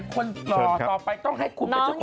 รวมถึงที่งานข่าวใส่ไข่และพี่พลิกรทุกคนด้วยนะครับ